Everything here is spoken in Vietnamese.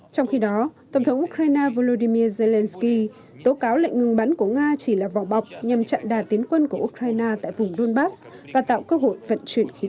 trong khi đó tổng thống ukraine volodymyr zelensky tố cáo lệnh ngừng bắn của nga chỉ là vỏ bọc nhằm chặn đà tiến quân của ukraine tại vùng donbass và tạo cơ hội vận chuyển khí